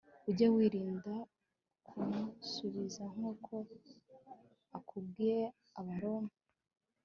ujye wirinda kumusubiza nk uko akubwiye abaroma